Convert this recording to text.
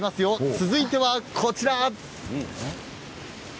続いてはこちら。